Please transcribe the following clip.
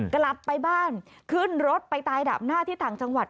กลับไปบ้านขึ้นรถไปตายดาบหน้าที่ต่างจังหวัด